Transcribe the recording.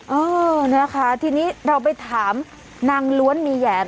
นี่แหละค่ะทีนี้เราไปถามนางล้วนมีแยก